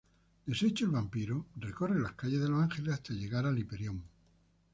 Desecho el vampiro recorre las calles de Los Angeles hasta llegar al Hyperion.